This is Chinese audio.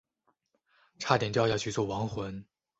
差点掉下去做亡魂